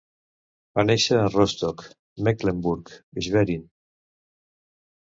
Va néixer a Rostock, Mecklenburg-Schwerin.